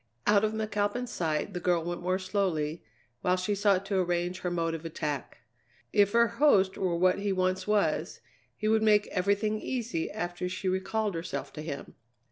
Out of McAlpin's sight, the girl went more slowly, while she sought to arrange her mode of attack. If her host were what he once was, he would make everything easy after she recalled herself to him.